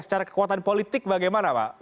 secara kekuatan politik bagaimana pak